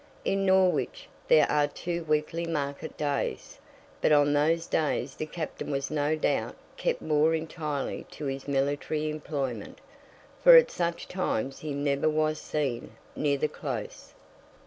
In Norwich there are two weekly market days, but on those days the Captain was no doubt kept more entirely to his military employment, for at such times he never was seen near the Close.